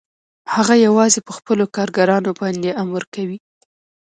هغه یوازې په خپلو کارګرانو باندې امر کوي